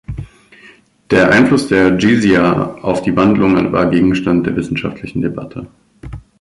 Der Einfluss der Dschizya auf die Wandlung war Gegenstand der wissenschaftlichen Debatte.